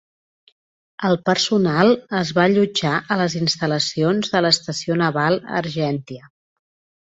El personal es va allotjar a les instal·lacions de l'Estació Naval Argentia.